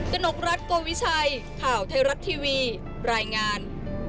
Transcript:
นกรัฐโกวิชัยข่าวไทยรัฐทีวีรายงาน